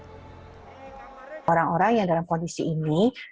pemerintah harus memberikan concern juga terhadap orang orang yang dalam kondisi ini